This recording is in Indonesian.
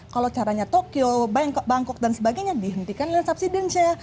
kalau caranya tokyo bangkok dan sebagainya dihentikan land subsidence nya